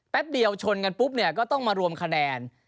เดียวชนกันปุ๊บเนี่ยก็ต้องมารวมคะแนน